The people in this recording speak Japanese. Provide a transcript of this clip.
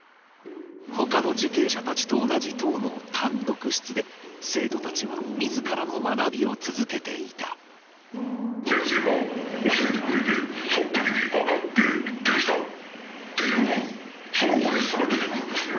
ほかの受刑者たちと同じ棟の単独室で、生徒たちはみずからの学び先生が教えてくれて、そのときに分かって、できた！というそのうれしさが出てくるんですね。